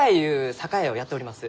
酒屋をやっております。